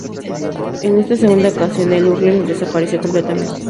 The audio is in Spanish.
En esta segunda ocasión, el hurling desapareció completamente.